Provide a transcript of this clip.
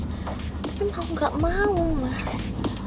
tapi mau nggak mau mas